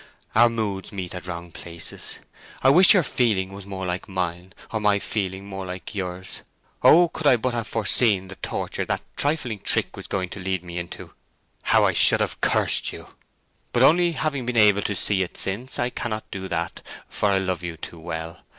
Our moods meet at wrong places. I wish your feeling was more like mine, or my feeling more like yours! Oh, could I but have foreseen the torture that trifling trick was going to lead me into, how I should have cursed you; but only having been able to see it since, I cannot do that, for I love you too well!